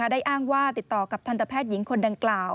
ได้อ้างว่าติดต่อกับทันตแพทย์หญิงคนดังกล่าว